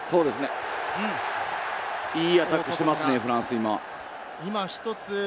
アタックしてますね、フランス。